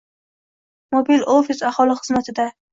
“Mobil ofis” aholi xizmatidang